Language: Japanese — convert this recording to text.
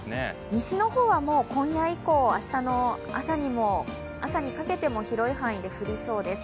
西の方は今夜以降、明日の朝にかけても広い範囲で降りそうです。